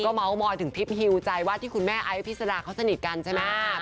ก็ม้อมอยถึงทิพย์ฮิวใจว่าที่คุณแม่ไอ้อัพิสดาเขาสนิทกันใช่ไหม